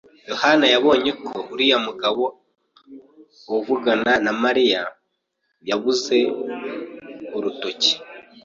yohani yabonye ko uriya mugabo uvugana na Mariya yabuze urutoki.